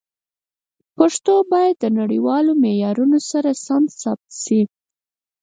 پښتو باید د نړیوالو معیارونو سره سم ثبت شي.